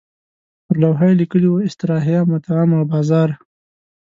پر لوحه یې لیکلي وو استراحه، مطعم او بازار.